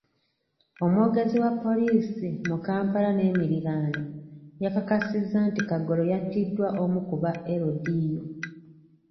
Omwogezi wa poliisi mu Kampala n'emiriraano, yakakasizza nti Kagolo yattiddwa omu ku ba LDU .